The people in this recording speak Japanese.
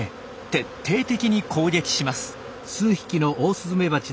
徹底的に攻撃します。